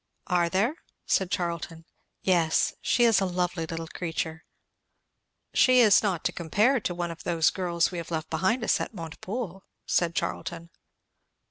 "Are there?" said Charlton. "Yes. She is a lovely little creature." "She is not to compare to one of those girls we have left behind us at Montepoole," said Charlton.